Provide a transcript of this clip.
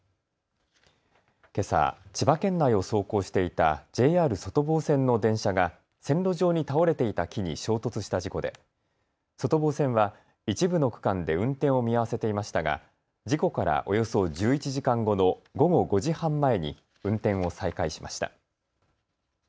けさ千葉県内を走行していたＪＲ外房線の電車が線路上に倒れていた木に衝突した事故で外房線は一部の区間で運転を見合わせていましたが事故からおよそ１１時間後の午後５時半前に運転を再開しました。